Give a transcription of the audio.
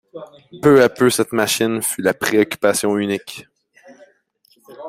Peu à peu cette machine fut la préoccupation unique.